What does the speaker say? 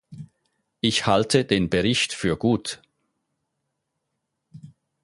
Ich halte den Bericht für gut.